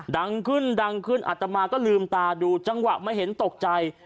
ดังขึ้นดังขึ้นอัตมาก็ลืมตาดูจังหวะมาเห็นตกใจ